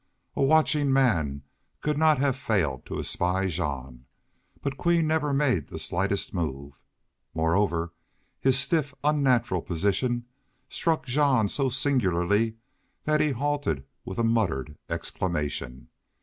A watching man could not have failed to espy Jean. But Queen never made the slightest move. Moreover, his stiff, unnatural position struck Jean so singularly that he halted with a muttered exclamation.